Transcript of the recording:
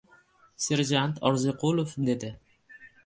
— Serjant Orziqulov! — dedi.